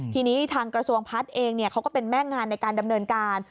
ทีนี้ทางกระทรวงพัฒน์เองเขาก็เป็นแม่งานในการดำเนินการ